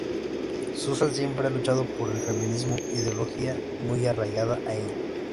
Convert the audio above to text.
Susan siempre ha luchado por el feminismo, ideología muy arraigada a ella.